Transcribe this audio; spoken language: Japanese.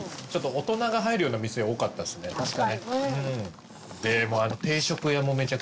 大人が入るような店多かったですね。